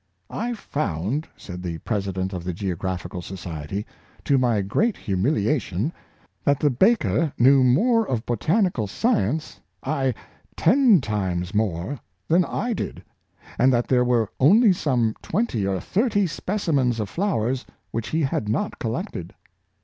^' I found," said the President of the Geographical Society, " to my great humiliation, that the baker knew more of botanical science, ay, ten times more, than I did; and that there were only some twenty or thirty specimens of flowers which he had not col lected.